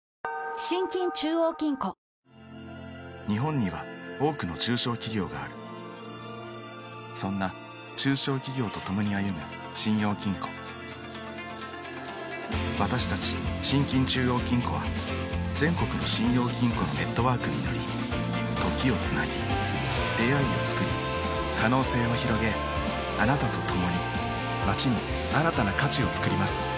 日本には多くの中小企業があるそんな中小企業とともに歩む信用金庫私たち信金中央金庫は全国の信用金庫のネットワークにより時をつなぎ出会いをつくり可能性をひろげあなたとともに街に新たな価値をつくります